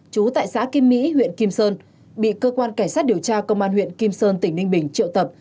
chú tại xã kim mỹ huyện kim sơn bị cơ quan cảnh sát điều tra công an huyện kim sơn tỉnh ninh bình triệu tập